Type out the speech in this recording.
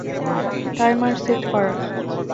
Timer set করা!